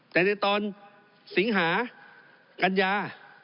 แต่ในตอนสิงหากัญญา